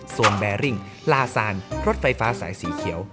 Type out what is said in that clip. แบริ่งลาซานรถไฟฟ้าสายสีเขียว